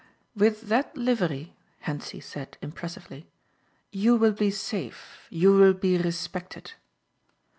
"With that livery," Hentzi said impressively, "you will be safe; you will be respected."